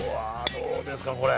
どうですか、これ。